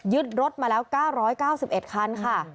รถมาแล้ว๙๙๑คันค่ะ